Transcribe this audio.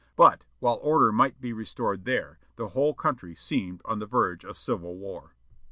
But, while order might be restored there, the whole country seemed on the verge of civil war.